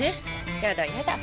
やだやだ。